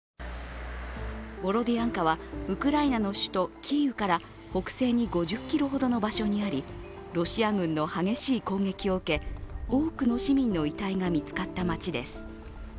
ボロディアンカはウクライナの首都キーウから北西に５０ｋｍほどの場所にありロシア軍の激しい攻撃を受け多くの市民の遺体が見つかった町です。